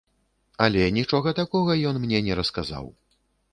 Але нічога такога ён мне не расказаў.